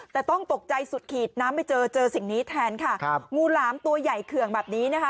แต่ต้องตกใจสุดขีดน้ำไม่เจอเจอสิ่งนี้แทนค่ะครับงูหลามตัวใหญ่เคืองแบบนี้นะคะ